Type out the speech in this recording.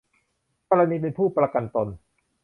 กรณีเป็นผู้ประกันตน